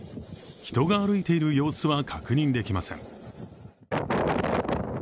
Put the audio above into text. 人が歩いている様子は確認できません。